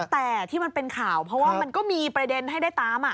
แต่ที่มันเป็นข่าวเพราะว่ามันก็มีประเด็นให้ได้ตาม